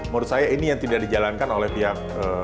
menurut saya ini yang tidak dijalankan oleh pihak